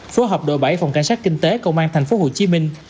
phối hợp đội bảy phòng cảnh sát kinh tế công an thành phố hồ chí minh